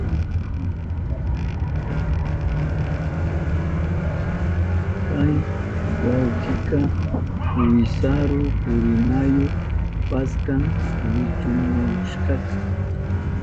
Kay wawkika wisaru purinayu kashpan wichumuwashka.